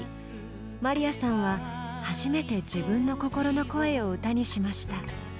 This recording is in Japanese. まりやさんは初めて自分の心の声を歌にしました。